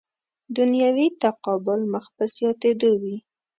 دنیوي تقابل مخ په زیاتېدو وي.